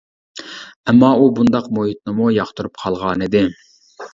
ئەمما ئۇ بۇنداق مۇھىتنىمۇ ياقتۇرۇپ قالغانىدى.